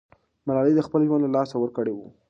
ملالۍ خپل ژوند له لاسه ورکړی وو.